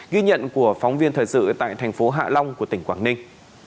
ghi nhận của phóng viên thời sự tại thành phố hạ long của tỉnh quảng ninh